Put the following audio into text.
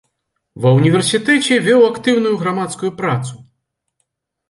Ва ўніверсітэце вёў актыўную грамадскую працу.